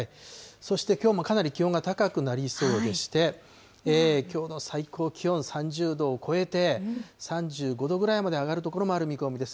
そして、きょうもかなり気温が高くなりそうでして、きょうの最高気温３０度を超えて、３５度ぐらいまで上がる所もある見込みです。